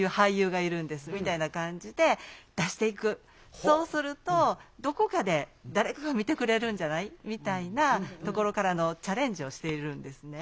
そうするとどこかで誰かが見てくれるんじゃないみたいなところからのチャレンジをしているんですね。